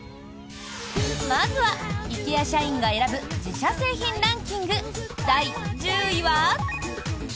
まずは、ＩＫＥＡ社員が選ぶ自社製品ランキング第１０位は。